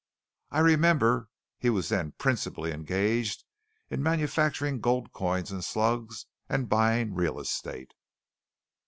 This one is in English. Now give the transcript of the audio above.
I remember he was then principally engaged in manufacturing gold coins and slugs and buying real estate.